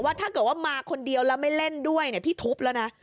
ถ้าเกิดว่ามาคนเดียวแล้วไม่เล่นด้วยพี่ทุบแล้วนะ